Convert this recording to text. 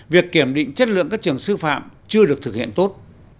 việc kiểm định chất lượng các trường sư phạm chưa được thực hiện tốt